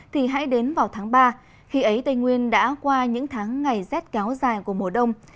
thì hãy đến vào tháng ba khi ấy tây nguyên đã qua những tháng ngày rét kéo dài của mùa đông